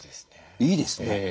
いいですね。